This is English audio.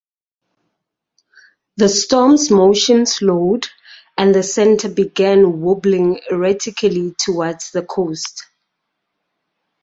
The storm's motion slowed, and the center began wobbling erratically toward the coast.